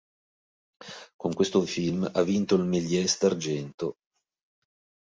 Con questo film ha vinto il Méliès d'argento.